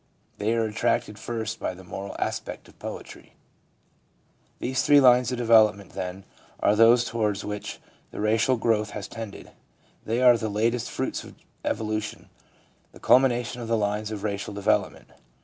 They are attracted first by the moral aspect of poetry. These three lines of development, then, are those toward which racial growth has tended ; they are the latest fruits of evolution, the culmination of the lines of racial development.